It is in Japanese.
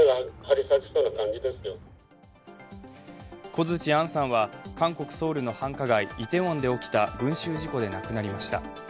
小槌杏さんは韓国ソウルの繁華街、イテウォンで起きた群集事故で亡くなりました。